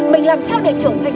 mình làm sao để trở thành